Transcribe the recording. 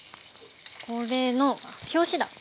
これの表紙だ！